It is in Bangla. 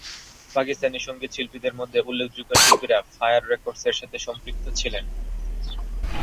পাকিস্তানি সংগীত শিল্পের মধ্যে উল্লেখযোগ্য শিল্পীরা ফায়ার রেকর্ডস এর সাথে সম্পৃক্ত ছিলেন।